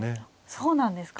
そうなんですか。